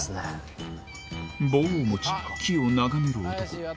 棒を持ち木を眺める男